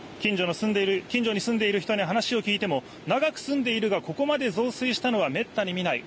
近所に住んでいる人に話を聞いても長く住んでいるが、ここまで増水したのはめったに見ない。